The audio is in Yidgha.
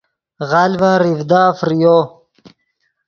غلڤن ریڤدا فریو